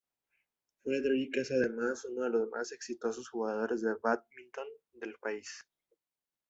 Frederik es además uno de los más exitosos jugadores de bádminton del país.